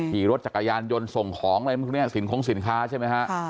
ขี่รถจักรยานยนต์ส่งของอะไรพวกนี้สินคงสินค้าใช่ไหมฮะ